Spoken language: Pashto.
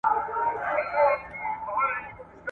چي نه لري هلک، هغه کور د اور لايق.